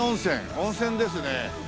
温泉ですねこれ。